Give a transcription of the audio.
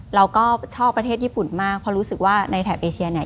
เราก็ชอบประเทศญี่ปุ่นมากเพราะรู้สึกว่าในแถบเอเชียเนี่ย